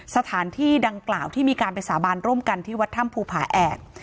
สถานที่ดังกล่าวที่มีการไปสาบานร่วมกันที่วัดถ้ำภูผาแอก